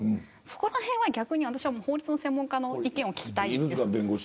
そこらへんは逆に私は法律の専門家の意見を聞きたいです。